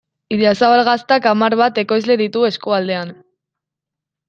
Idiazabal Gaztak hamar bat ekoizle ditu eskualdean.